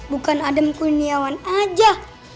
bukan adam kuniawan aja